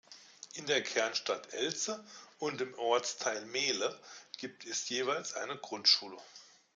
In der Kernstadt Elze und im Ortsteil Mehle gibt es jeweils eine Grundschule.